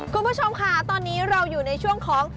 คุณผู้ชมค่ะตอนนี้เราอยู่ในช่วงของ